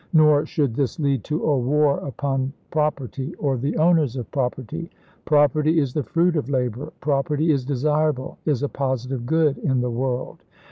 Nor should this lead to a war upon property or the owners of property. Property is the fruit of labor, property is desirable, is a positive good in the world.